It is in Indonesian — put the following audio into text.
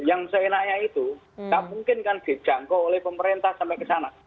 yang seenaknya itu tidak mungkin kan dijangkau oleh pemerintah sampai ke sana